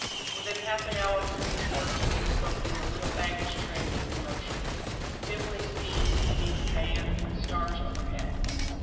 Within half an hour from these words being spoken the little baggage train was in motion, dimly seen beneath the band of stars overhead.